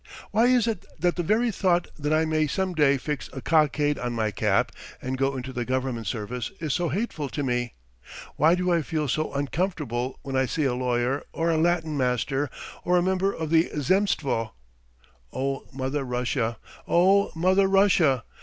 Why is it that the very thought that I may some day fix a cockade on my cap and go into the government service is so hateful to me? Why do I feel so uncomfortable when I see a lawyer or a Latin master or a member of the Zemstvo? O Mother Russia! O Mother Russia!